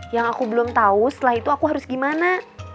yang aku belum tahu setelah itu aku harus gimana